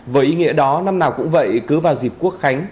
với ý nghĩa đó năm nào cũng vậy cứ vào dịp quốc khánh